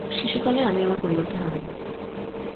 শিশুকালে, আমি আমার পরিবারকে হারাই।